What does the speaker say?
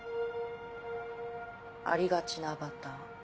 ありがちなアバター。